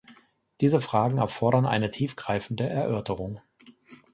Diese Fragen erfordern eine tiefgreifende Erörterung.